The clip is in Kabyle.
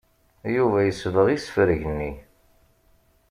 Yuba yesbeɣ isefreg-nni.